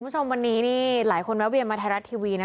คุณผู้ชมวันนี้นี่หลายคนแวะเวียนมาไทยรัฐทีวีนะ